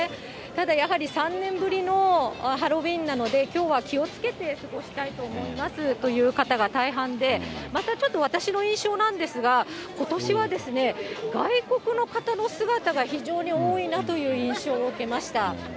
ただやはり、３年ぶりのハロウィーンなので、きょうは気をつけて過ごしたいと思いますという方が大半で、またちょっと私の印象なんですが、ことしは外国の方の姿が非常に多いなという印象を受けました。